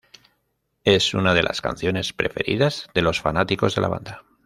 Es una de las canciones preferidas de los fanáticos de la banda.